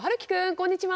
こんにちは！